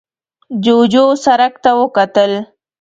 جوجو سرک ته وکتل.